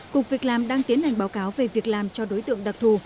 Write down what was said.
cục việc làm đang tiến hành báo cáo về việc làm cho đối tượng đặc thù